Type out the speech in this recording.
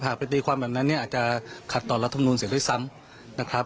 ไปตีความแบบนั้นเนี่ยอาจจะขัดต่อรัฐมนุนเสียด้วยซ้ำนะครับ